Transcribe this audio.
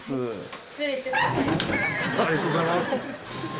ありがとうございます。